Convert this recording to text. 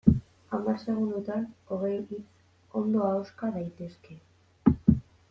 Hamar segundotan hogei hitz ondo ahoska daitezke.